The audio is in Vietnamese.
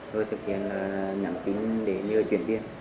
rồi thực hiện nhắn tin để nhờ chuyển tiền